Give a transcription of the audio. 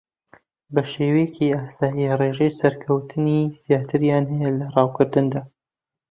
بە شێوەیەکی ئاسایی ڕێژەی سەرکەوتنی زیاتریان ھەیە لە ڕاوکردندا